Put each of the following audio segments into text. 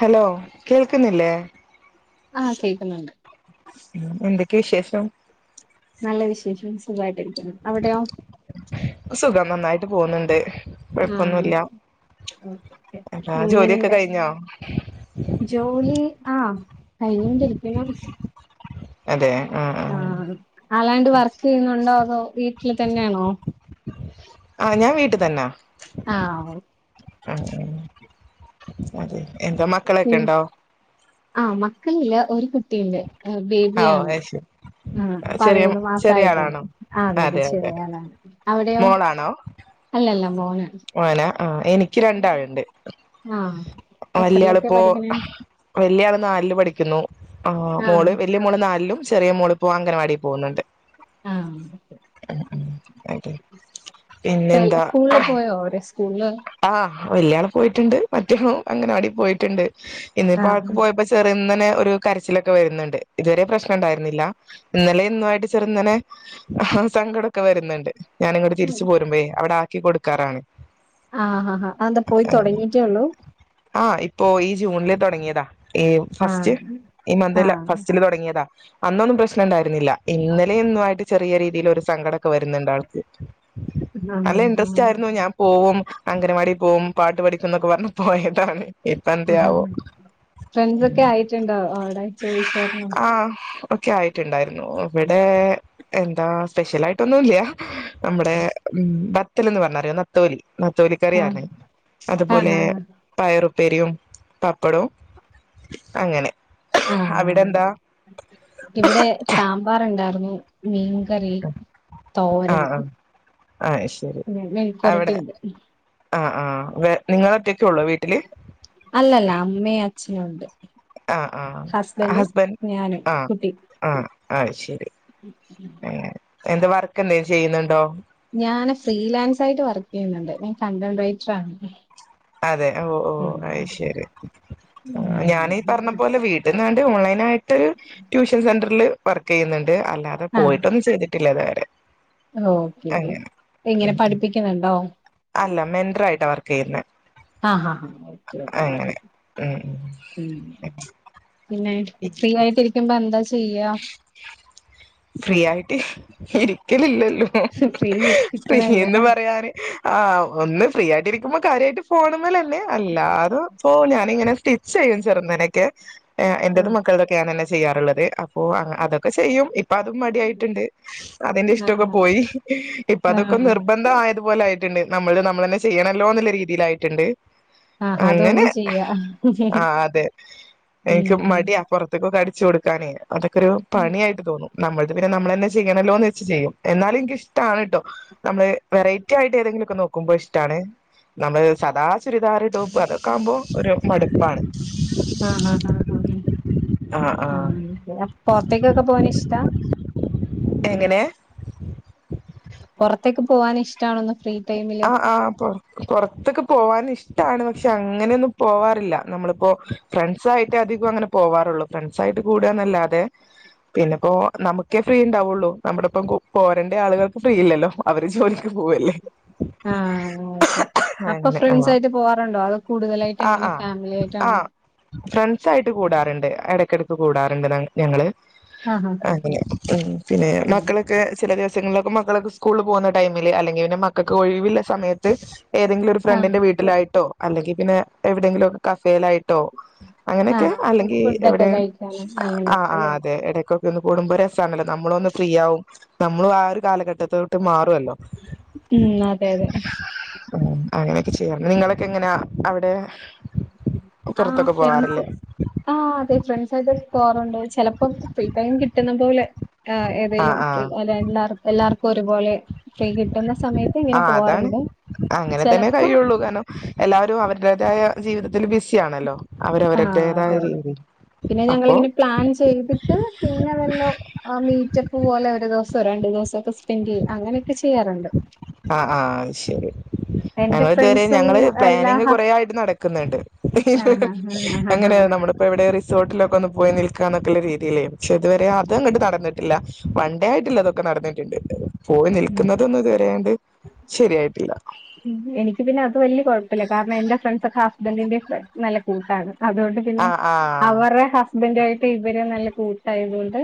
Hello കേൾക്ക്ന്നില്ലേ ആ കേക്കുന്നൊണ്ട് എന്തൊക്കെ വിശേഷം നല്ല വിശേഷം സുഖായിട്ടിരിക്കുന്നു അവിടെയോ സുഖം നന്നായിട്ട് പോകുന്നുണ്ട് ആ കുഴപ്പൊന്നുല്ല ആ ആ ജോലിയൊക്കെ എങ്ങനെയുണ്ട് കഴിഞ്ഞോ ജോലി ആ കഴിഞ്ഞുകൊണ്ടിരിക്കുണു ആ അല്ലാണ്ട് വർക്ക് ചെയ്യുന്നുണ്ടോ വീട്ടില് തന്നെയാണോ ആ ഞാൻ വീട്ടി തന്നാ ആഹ് ആ അതെ എന്താ മക്കളൊക്കെ മ് ഉണ്ടോ ആ മക്കളില്ല ഒരു കു കുട്ടിയുണ്ട് ആ ഓ ബേബിയാണ് അത് ശരി ആ ചെറിയ പതിനൊന്ന് ചെറിയ മാസയിട്ടുള്ളൂ ആളാണോ ആ അതെതെ അതെ അതെ ചെറിയാളാണ് അവിടെയോ മോളാണോ അല്ലല്ല മോ മോനാ ആ എനിക്ക് രണ്ടാളുണ്ട് ആഹ് എത്രയിലൊക്കെ വല്യാളിപ്പോ പഠിക്കണേ വല്യാള് നാലില് പഠിക്കുന്നു ആ ആഹ് മോള് വല്യ മോള് നാലിലും ചെറിയ മോളിപ്പോ അങ്കനവാടി പോകുന്നുണ്ട് ആഹ് അതെ ഇപ്പെല്ലാ പിന്നെന്താ സ്കൂളില് പോയോ സ്ക്കൂള് വല്യാളും പോയിട്ടുണ്ട് മറ്റേതും അങ്കനവാടി പോയിട്ടുണ്ട് ഇന്നിപ്പോ ആൾക്ക് ആഹ് പോയപ്പോ ചെറിന്നനെ ഒരു കരച്ചിലൊക്കെ വരുന്നുണ്ട് ഇതുവരെ പ്രശ്നം ഇണ്ടായിരുന്നില്ല ഇന്നലെ ഇന്നുമായിട്ട് ചെറുന്നനെ സങ്കടമൊക്കെ വരുന്നുണ്ട് ഞാനിങ്ങട്ട് തിരിച്ച് പോരുമ്പോഴേ അവിടെ ആ ക്കി കൊടുക്കാറാണ്. ആ ആ ആ അതെന്താ പോയി തുടങ്ങീട്ടേ ഉള്ളൂ? ആഹ് ഇപ്പോ ഈ ജൂണില് തുടങ്ങിയതാ. ഈ ആഹ് ഫസ്റ്റ് ഈ മന്തിൽ ആഹ് ഫസ്റ്റില് തുടങ്ങിയതാ. അന്നൊന്നും പ്രശ്നം ഇണ്ടായിരുന്നില്ല ഇന്നലേം ഇന്നും ആയിട്ട് ചെറീയ രീതിയില് ഒരു സങ്കടൊക്കെ വരുന്നുണ്ടാൾക്ക് ആഹ് അല്ല ഇൻട്രസ്റ്റ് ആയിരുന്നു ഞാൻ പോവും അങ്കനവാടീ പോവും പാട്ട് പഠിക്കുന്നൊക്കെ പറ്ന്ന് പോയതാണ് ഇപ്പ ഉം ഉം എന്തയാവോ ഉം ഫ്രണ്ട്സൊക്കെ ആയിട്ടുണ്ടൊ അവിട ചോയ്ച്ചേറ്ന്നോ ആഹ് ഒക്കെ ആയിട്ടുണ്ടായ്രുന്നു ഇവിടെ എന്താ സ്പെഷ്യലായിട്ടൊന്നൂല്ല നമ്മുടെ ബത്തൽന്ന് പറഞ്ഞറ്യോ നത്തോലി ആഹ് ത്തോലിക്കറിയാര്ന് അതുപോലെ ആഹ് ആഹ് പയറും ഉപ്പേരിയും പപ്പടോം അങ്ങനെ ആഹ് അവിടെ ആഹ് എന്താ ഇവിടെ സാമ്പാർ ഇണ്ടായ് ര്ന്നു മീൻകറി തോരൻ ആഹ് ആഹ് ആഹ് ശരി മെഴുക്കൊരട്ടി അവിടെ ഇ ണ്ട് ആഹ് ആഹ് വെ നിങ്ങളൊറ്റെക്കൊള്ളൊഹ് വീട്ടില് അല്ലല്ല അമ്മേ അഛ നു ഉണ്ട് ആഹ് അഹ് ഹസ്ബൻഡും ഹസ്ബൻ് ഞാനും ആഹ് കുട്ടി ആഹ് അഹ് ശെരി ഏഹ് എന്താ വർക്ക് എന്തേം ചെയ്യുന്ന്ണ്ടോ ഞാന ഫ്രീലാൻസായിട്ട് വർക്ക് ചെയ്യുന്ന്ണ്ട് ഞാൻ കണ്ടൻറൈറ്റർ ആണ് അതെ ഓ ഓ ഉം അത് ശെരി ഉം ഞാനീ പറഞ്ഞ പോലെ വീട്ട ന്നാണ്ട് ഓൺലൈനായിട്ട് [unintelligible] ട്യൂഷൻ സെന്റർല് വർക്ക് ചെയ്യുന്ന് ണ്ട് അല്ലാതെ ആഹ് പോയിട്ടൊന്നും ചെയ് [unintelligible] [unintelligible] ഇങ്ങനെ പഠിപ്പിക്കുന്നുണ്ടോ മെന്ററായിട്ട് വർക്ക് ചെയ്യുന്നെ ആ ഹാ ഹാ അങ്ങനെ ഉം പിന്നെ ഈ ഫ്രീ ആയിട്ടിരിക്കുമ്പോ എന്താ ചെ ഫ്രീ ആയിട്ടി ഇരിക്കലില്ല ഫ്രീ കിട്ടണില്ല ഫ്രീന്ന് പറയാന് ആ് ഒന്ന് ഫ്രീ ആയിട്ടിരിക്കുമ്പോ കാര്യമായിട്ട്ഫോണമെല് അല്ല അത് പോ ഞാനിങ്ങനെ സ്റ്റിച്ച് ചെയ്യും ചെരുതായിട്ട് ആ ആഹ് എന്റെതും മക്കളതൊകെ ഞാൻ തന്നെ ചെയ്യാറുള്ളത് അപ്പ അതൊക്കെ ചെയ്യും ഇപ്പ ഓഅതും മടിയായിട്ടുണ്ട് അതിന്റെ ഇഷ്ടൊക്കെ പോയി ഇപ്പ അതൊക്കെ ആഹ് നിർബന്ധ ആയ പോലെയിട്ടുണ്ട് നമ്മള് നമ്മൾന്നെ ചെയ്യണല്ലോ എന്നുള്ള രീതിയില ആായിട്ടുണ്ട് ആഹ് അതുകൊണ്ട് അങ്ങനെ ചെയ്യാ ആ അതെ എനിക്ക് ഉം മടിയാ പുറത്തകൊക്കെ അടി വച്ച് കൊടുക്കാനേ അതൊക്കെ ഒരു പണിയായിട്ട് തോന്നും നമ്മൾ പിന്നെ നമ്മള ന്നെ ചെയ്യണല്ലോന്ന് വെച്ച് ചെയ്യും എന്നാലും എനക്ക്ിഷ്ടമാണ് കേട്ടോ നമ്മള് വെറൈറ്റി ആയിട്ട് ഏതെങ്കിലുമൊക്കെ നോക്കുമ്പോൾ ഇഷ്ടമാണ് നമ്മള് സദാ ചുരിദാറു ടോപ് അതൊക്കെ ആകുമ്പോ ഒരു മടുപ്പാണ് ആഹ് ഹ് ആ ആ ഹ് പുറത്തേക്കൊക്കെ പോന് ഇഷ്ടാ എങ്ങനെ പുറത്തേക്ക് പോവാൻ ഇഷ്ടമാണെന്ന് ആ് ആ പുറത്തൊക്ക പോവാന ഇഷം ഇഷ്ടാണ് പക്ഷെ അങ്ങനെയൊന്നും പോവാറില്ല നമ്മളിപ്പോ ഫ്രണ്ട്സ്യിട്ട് അധികം അങ്ങനെ പോവാറുള്ളു ഫ്രണ്ട്സ ആയിട്ട് കൂടന്നല്ലാതെ പിന്നെപ്പോ നമുക്കേ ഫ്രീ ഉണ്ടാവുള്ളു നമ്മുടെ ഇപ്പം പോരേണ്ട ആളുകൾക്ക് ഫ്രീ ഇല്ലല്ലോ അവര് ജോലിക്ക് പോവല്ലേ ആഹ ഓക്കെ അപ്പൊ അങ്ങനെ ഫ്രണ്ട്സ് ആഹ് ആായിട്ട് പോവാറുണ്ടോ അത് കൂടുതലായിട്ട് ആഹ് എങ്ങനെ ആഹ് ഫാമിലി ആയിട്ടാണോ ആഹ് ഫ്രണ്ട്സായിട്ട് കൂടാറുണ്ട് ഇടയ്ക്കിടക്ക് കൂടാറുണ്ട് ഞങ്ങള് ആഹ് ആഹ് അങ്ങനെ പിന്നെ മക്കളൊക്കെ ചില ദിവസം മക്കളൊക്കെ സ്കൂള പോകുന്ന ടമില് അല്ലെങ്ക ഒഴിവ് ക്കെ ഒഴിവില്ല സമയത്ത് തീസ് ഏതെങ്കിലും ഒരു ആഹ് ഫ്രണ്ടിന്റെ വീട്ടിലായിട്ടോ അല്ലെങ്കിൽ പിന്നെ എവിടെയെങ്കിലുംക്കെ കരൻ - ഫെൽ ആയിട്ടോ ആഹ് അങ്ങനെയൊക്കെ ആഹ് അല്ലെങ്കിൽ ഫുഡൊക്കെ എവിടെ കഴിക്കാനും ആ അങ്ങനെയൊക്കെ ആ് അല്ലേ അതെ ഇടക്ക കൂടുമ്പോ രസല്ലോ നമ്മളൊന്ന് ഫ്രീ ആവും നമ്മളും ആ ഒരു കാലഘട്ടോട്ട് മാറും അതല്ലോ ഉം അതെ അതെ ആ അങ്ങനെയൊക്കെ ചെയ്യാറ നിങ്ങളൊക്കെ എങ്ങനാ അവിടെ ആ പുറത്തൊക്കെ ഫ്രണ്ട്സ് പോവാറില്ലേ ആ അതെ ഫ്രണ്ട്സ്യിട്ട് പോറുണ്ട് ചിലപ്പോ ഫീം കിട്ടുന്ന പോലെ ആ ആഹ് ഏതെലും ഫ്രീ ആഹ് അ എല്ലാ എല്ലാർക്കും ഒരുപോലെ ഫ്രീ കിട്ടുന്ന സമയത്ത് ആ ഇങ്ങനെ അതാണ് പോവാാറുണ്ട് അങ്ങനെ തന്നെ ചെിലപ്പോ കഴിയുള്ളൂ കാരണം എല്ലാവരും ജീവിതത്തിൽ ബിസി ആഹ അതെതെ പിന്നെ അപ്പോ ഞങ്ങിങ്ങനെ പ്ലാൻ ചെയ്തിട്ട് പിന്നെ വല്ലോ മീ ഉച്ചപ്പ് പോലെ ഒരു ദിവസം രണ്ടു ദിവസമൊക്കെ പിങ്കെ അങ്ങനെയൊക്കെ ചെയ്യാറുണ്ട് ആഹ് ആഹ അത് ശരി എന്റെ ഞങ്ങ ഇതുവരെ ഫ്രണ്ട്സും ഞങ്ങള് എല്ലാ പ്ലാനിങ് കൊറ ഹസ് ആായിട്ട് നടക്കുന്നണ്ട് ആഹ് ആഹ് ആഹ് ആഹ് അങ്ങനെ ആഹ് നമ്മളിപ്പോ ഇവിടെ റിസോർട്ടിലൊക്കെ ഒന്ന് പോയി നിൽ ന്നൊക്കെയുള്ള രീതില്ലേ പക്ഷെ ഇതുവരെ അത അങ്ങട്ട് നടന്നിട്ടില്ല വൺണ്ടേ ആയിട്ടില്ല അതൊക്കെ നടന്നിട്ടുണ്ട് പോയി ഉം നിൽക്കുന്നതൊന്ന ഇത് വരണ്ട് എനിക്ക് പിന്നെ അത് വല്യ കൊഴുപ്പില്ല കാരണം എന്റെ ഫ്രെണ്ട്സൊക്കെ ഹസ്ബൻഡിൻ്റെയും നല്ല കൂട്ടാണ് അതുകൊണ്ട് പിന്നെ ആ ആ അവർടെ ഹസ്ബൻഡ് ആയി ട്ട് ഇവര് നല്ല കൂട്ടായതുകൊണ്ട്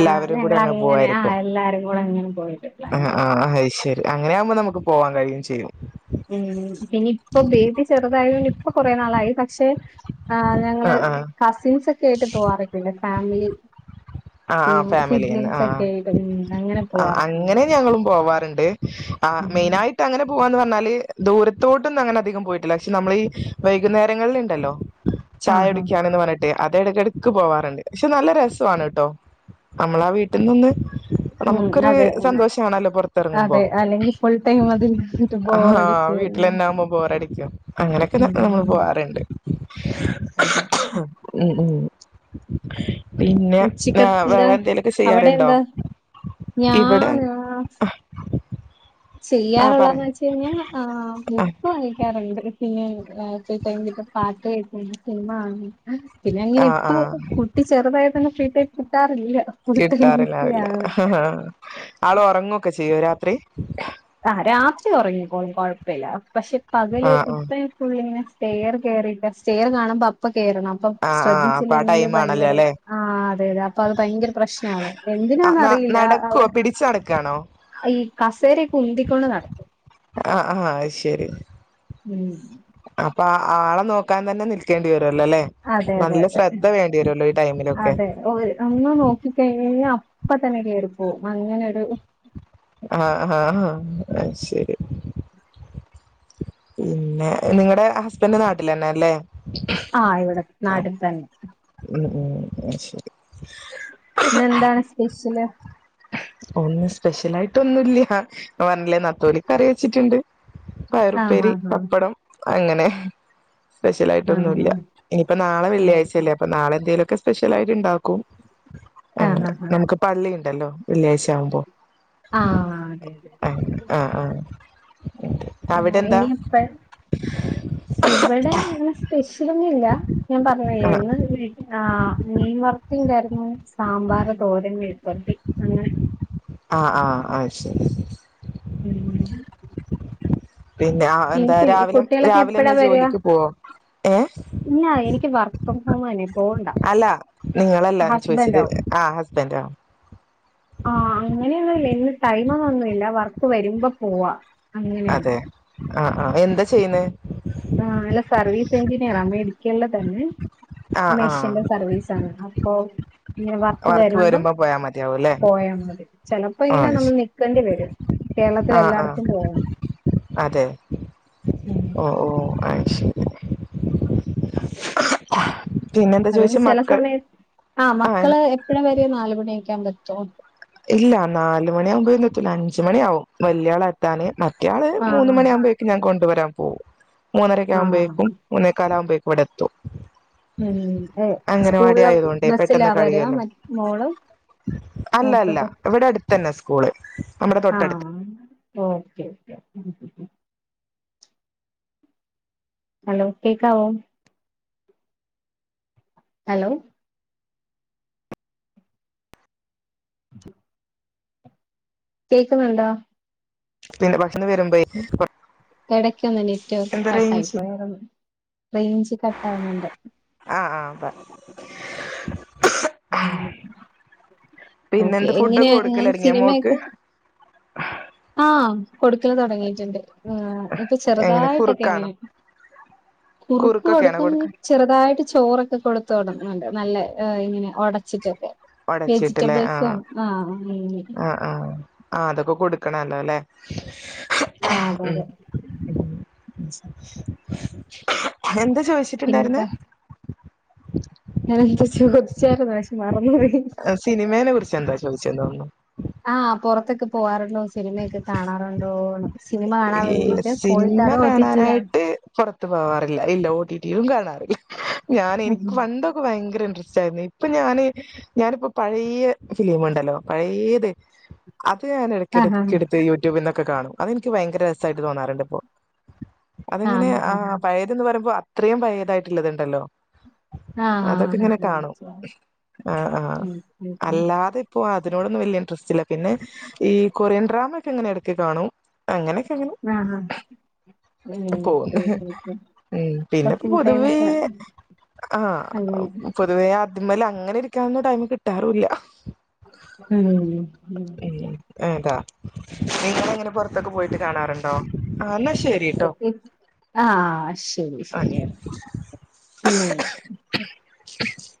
ആഹ് കൂടി അങ്ങ് ഞങ്ങളങ്ങനെ ആഹ് പോവായിരിക്കും എല്ലാരും കൂടെ അങ്ങനെ പോയിട്ട് പ്ലാൻ ആ ചെയ്യാറുണ്ട് ആഹ് അത് ശരി അങ്ങനെയാവുമ്പോ നമുക്ക് പോവാൻ കഴിയേം ചെയ്യും ഉം പിന്നെ ഇപ്പൊ ബേബി ചെറുതായതുകൊണ്ട് ഇപ്പ കൊറെ നാളായി പക്ഷെ ആ ഞങ്ങള് ആഹ് ആഹ് കസിൻസ് സായിട്ട് പോവാറൊക്കെയിണ്ട് ഫാമിലി ആ ആ പിന്നെ ഫാമിലിന്ന് ആ സിബ്ലിങ്സ് ഒക്കെ ആയിട്ട് ഉം അങ്ങനെ ആ പോവാറൊക്കെയുണ്ട് അങ്ങനെ ഞങ്ങളും പോവാറുണ്ട് ആ മെയിൻ ഉം ആയിട്ട് അങ്ങനെ പോവാ ന്ന് പറഞ്ഞാല് ദൂരത്തോട്ടൊന്നും അങ്ങനെ അധികം പോയിട്ടില്ല പക്ഷെ നമ്മള് ഈ വൈകുന്നേര ങ്ങളിൽ ഇണ്ടല്ലോ ചായ ആഹാ കുടിക്കാണെന്ന് പറഞ്ഞ ട്ട് അത് ഇടക്കിടക്ക് പോവാറുണ്ട് പക്ഷെ നല്ല രസവാണ് ട്ടോ നമ്മളാ വീട്ടിൽ നിന്ന് ഉം നമുക്കൊരു അതെ സന്തോഷണല്ലോ പുറത്തിറങ്ങുമ്പോ അതെ അല്ലെങ്കിൽ ഫുൾ ടൈം അതിലിരുന്നിട്ട് ആ ബോറടിച്ച് വീട്ടിലന്നെ ആകുമ്പോ ബോറടി ക്കൊ അങ്ങനെക്ക നമ്മള് ഉം പോവാറുണ്ട് അതെ ഉം [inaudible] പിന്നെ ച്ചക്ക് എന്താ വേറെ എന്തേലുമൊക്കെ അവിടെ ചെയ്യാറുണ്ടോ എന്താ ഇവിടെ ഞാനാ ആഹ് ചെയ്യാറുള്ള എന്ന് പറയാം വെച്ച് കൈഞ്ഞാ ഏഹ് ആ ബുക്ക് വായിക്കാറുണ്ട് പിന്നെ ഏഹ് ഫ്രീ ടൈം കിട്ടുമ്പ പാട്ട് കേൾക്കും സിനിമ കാണും പിന്നെ അങ്ങനെ ആഹ് ഇപ്പൊ ആഹ് കുട്ടി ചെറുതായ തന്നെ ഫ്രീ ടൈം കിട്ടാറില്ല ഫുൾ ടൈം കിട്ടാറില്ലാവില്ല ബിസിയാണ് ത്രീ ആ രാത്രി ഒറങ്ങിക്കോളും കുഴപ്പില്ല പക്ഷെ പകല് ആഹ് ആഹ് ഇപ്പ പുള്ളിങ്ങനെ സ്റ്റെയർ കേറിയിട്ട് ചെയർ കാണുമ്പ അപ്പ കേറണം അപ്പം ആഹ് ആഹ് അപ്പൊ ആ ശ്രദ്ധിച്ചില്ലെങ്കില് ടൈം ആണല്ലോ ഭയങ്കര അല്ലെ ആ അതെതെ അപ്പ അത് ഭയങ്കര പ്രശ്നാണ് ആ എന്തിനാന്ന് ന അറിയില്ല നടക്കുവോ അവൻ പിടിച്ച് ഈ കസേര ആ ആശ ഉം അപ്പ ആളെ നോക്കാൻ തന്നെ നിൽക്കേണ്ടി വരും അതെ അതെ വരുല്ലോ ഈ ടൈമിലൊക്കെ അതെ അതെ ഒന്ന് നോക്കിക്കഴിഞ്ഞ അ അപ്പ തന്നെ കേറിപ്പോ അങ്ങനെ ഒരു ആആഹഹ അ ശരി പിന്നെ നിങ്ങളടെ ഹസ്ബൻഡന്റെ നാട്ടിൽ തന്നെ അല്ലേ ആ ഇവിടെ നാട്ടിൽ തന്നെ ഉം ഉം ശരി ഇന്നെന്താണ് സ്പെഷ്യല് ഒന്നും സ്പെഷ്യൽ ആയിട്ട ഒന്നുംല്ല പറഞ്ഞില്ലേ നത്തോലിക്കറി വെച്ചിട്ടുണ്ട് പയറു ആഹ് പേരി ആഹ് പപ്പടം അങ്ങനെ സ്പെഷ്യലയിട്ട് ആഹ് ഒന്നുല്ല ആഹ് ഇനിയിപ്പ ആഹ് നാളെള്ളിയഴചല്ലേ അപ്പ നളെന്തേങ്കിലും സ്പെഷ്യലായിട്ട് ഇണ്ടക്കും ആഹ് ആഹ് ആഹ് നമുക്ക് പള്ളി ഹലോ വെള്ളിയഴ്ച ആവുമ്പോ ആ അങ്ങനെ ആഹ് ആഹ് ഉണ്ട് അവിടെ എന്താ ഇനിപ്പ ഇവിടെ ഇങ്ങനെ സ്പെഷ്യലൊന്നും ഇല്ല ഞാൻ ആഹ് പറഞ്ഞില്ലെ ആ ണ്ടായിരുന്നു സാമ്പാർ തോര വിഴുക്കുവരട്ടി അങ്ങനെ ആ ആ ആ ശരി ഉം പിന്നെ എന്താ പിന്നെ രാവിലെ കുട്ടികളൊക്കെ രാവിലെ എപ്പഴാ തന്നെ വരിക ജോലിക്ക് പോവാ ഏ ഇല്ല. [unintelligible] പോവണ്ട നിങ്ങളല്ല ഞാൻ ചോദിച്ചത് ഹസ്‌ബൻ്റോ ആഹ് ഹസ്ബൻഡ് ആഹ് ആ അങ്ങനെയൊന്നുമില്ല ടൈം ഒന്നു പറഞ്ഞില്ല വർ വരുമ്പോ പോവാ അങ്ങനെയാണ് അതെ ആഹ് ആഹ് എന്താ ചെയ്യുന്നേ ആഹ് അല്ല സർവീസ് എഞ്ചിനീയറാ അമേരിക്കേലേ തന്നെ ആഹ് ആഹ് മെഷീന്റെ സർവീസാണ് [unintelligible] ഇങ്ങനെ വർക്ക് വരുമ്പം വരുമ്പോ പോയാ മതിയാവുംല്ലേ പോയാ മതി ചെലപ്പോ ഇങ്ങനെ ആഹ് നമ്മള് ശരി നിക്കണ്ടി വരും കേരളത്തിലെ ആഹ് ആഹ് എല്ലായിടത്തും പോകണം. അതെയോ ഉം. ഓഹ് ഓഹ് അത് ശരി പിന്നെന്താ അതുകൊണ്ട് ചോദിച്ചെ ചെല മക്കൾ സമയ ആഹ് മക്കള് എപ്പഴാ വര്യാ നാല് മണി ക്കാൻ പറ്റോ ഇല്ല നാല് മണിയാമ്പോഴൊന്നും എത്തൂല്ല അഞ്ച് മണിയാവും വല്ല്യാളെ താനെ മറ്റെയാൾ ആ മൂന്ന് ആ മണിയാഴ്മ്പെഴെക്കും ഞാൻ കൊണ്ട് വെരാം പോവും മൂന്നര ഒക്കെ ആ. ആകുമ്പഴെക്കും മൂന്നെക്കാലാവുമ്പഴെ ഇവ്ടെ എത്തും ഉം അയ് അംഗനവാടി സ്കൂൾലെ ആയതുകൊണ്ടേ ബസ്സിലാ പെട്ടെന്ന് വരാ കഴിയുമല്ലോ മറ്റ് മോൾ മൂത്ത [unintelligible] ഇവ്ടെ അട്ത്തെന്നെ സ്കൂൾ നമ്മുടെ തൊട്ട അട്ത്ത് ആഹ് ഓക്കെ ഓക്കെ [unintelligible] ഹലോ കേക്കാവോ ഹലോ കേക്ക്ന്ന്ണ്ടോ? പിന്നെ ഭക്ഷണം വെരുമ്പെഴ് [unintelligible] എടക്കൊന്ന് നെറ്റ് വർക്ക് കട്ടായിപ്പോയാർന്നു റെയ്ഞ്ച് കട്ടാവുന്നുണ്ട് ആഹ് ആഹ് അതെ ഉം പിന്നെ ഓക്കെ എന്ത് ഫുഡൊക്കെ എങ്ങനെയാ നിങ്ങെൾ കൊടുക്കലൊടങ്ങിയ മോൾക്ക് സിനിമയൊക്കെ ആഹ് കൊട്ക്കെൽ തൊടങ്ങിയിറ്റ് ഇണ്ട് ആ ഇപ്പ എങ്ങനെ ചെറ്തായിട്ടൊക്കെ കുറുക്കാണോ ഇങ്ങനെ കുറുക്ക് കുറുക്കൊക്കെയാണോ കൊട്ക്കുന്ന് കൊടുക്ക ചെറുതായിട്ട് ചോറൊക്കെ കൊട് തൊട്ങ്ങ്ണ്ട് നല്ല ഹ് ഇങ്ങെനെ ഒടച്ചിട്ടൊക്കെ ഒടച്ചിട്ടില്ലേ ആ വെജിറ്റബിൾസും, ആ ഉം. ആ ആ ആ അതൊക്കെ കൊടുക്കണല്ലോല്ലേ? ആ അതെ അതെ. [unintelligible] എന്ത്‌? [unintelligible] ചോദിച്ചിട്ടുണ്ടാര്ന്ന്. ഞാൻ എന്തോ ചോദിച്ചാരുന്നു പക്ഷെ മ സിനിമേന കുറിച്ച് എന്തോ ചോദിച്ചേന്ന് തോന്നുന്നു പൊറത്തൊക്കെ പോവാറുണ്ടോ സിനിമയൊക്കെ കാണാറുണ്ടോന്ന് സിനിമ [unintelligible] കാണാൻ ഇല്ല വേണ്ടിട്ട് പോയിട്ട് സിനിമ അതോ ഒ ടി ടി യിലാ കാണാനായിട്ട് പൊറത്ത് പോവാറില്ല ഇല്ല ഓ റ്റി [unintelligible] കാണാറില്ല ഞാൻ എനിക്ക് പണ്ടൊക്ക ഭയങ്കര [unintelligible] ഇപ്പൊ ഞാന് ഞാനിപ്പോ പഴേയ ഫിലിമുണ്ടല്ലോ പഴേയത് അ [unintelligible] ഞാൻ ആഹ് എടക്കെടക്ക് എടുത്ത് യൂട്യൂബ്ന്ന് കാണും അതി ക്ക് ഭയങ്കര രസായിട്ട് തോന്നാറുണ്ട് ഇപ്പോ ആഹ് അതെങ്ങനെ ആഹ് ആ ആഹ് പഴേത് ന്ന് പറയുമ്പോ അത്രയും പയതായിട്ടുള്ളത്ണ്ടല്ലോ ആഹ് അതൊക്കെ ആഹ് ഇങ്ങനെ കാണും ആ ആ അല്ലാതെ ഇപ്പോ അതിനോടൊന്നും വലിയ ഇൻട്രസ്റ്റ് ഇല്ല പിന്നെ ഈ കൊറിയൻ ഡ്രാമ ഒക്കെ എങ്ങനെ ഇടയ്ക്ക് കാണും അങ്ങനെ ങ്ങനേപോന്ന് ആഹ് ഉം ഉ ഓക്കെ ഓക്കെ ഓക്കെ അപ്പൊ പിന്നെ ഫ്രീ ടൈം പൊതുവേ ഒക്കെ ആ അങ്ങനെ പൊതുവേ അതിമല അങ്ങനെ ഇരിക്കാനന്നും ടൈം കിട്ടാറുില്ല മ് [unintelligible] നിങ്ങളങ്ങനെ പോ ത്തോക്കെപോയിട്ട് കാണാറുണ്ടോ ശരിട്ടോ [unintelligible] ആഹ ശരി ആഹ് ശരിയാ പിന്നെ [unintelligible]